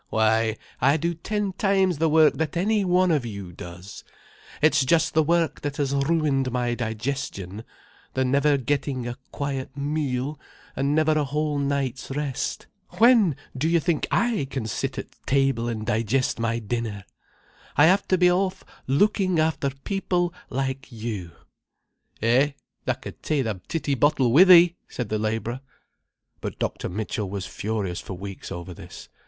"Why I do ten times the work that any one of you does. It's just the work that has ruined my digestion, the never getting a quiet meal, and never a whole night's rest. When do you think I can sit at table and digest my dinner? I have to be off looking after people like you—" "Eh, tha can ta'e th' titty bottle wi' thee," said the labourer. But Dr. Mitchell was furious for weeks over this.